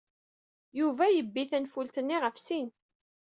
Yuba yebbi tanfult-nni ɣef sin.